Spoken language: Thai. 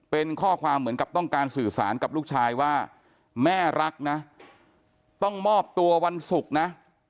เป็นข้อความเหมือนกับต้องการสื่อสารกับลูกชายว่าแม่รักนะต้องมอบตัววันศุกร์นะ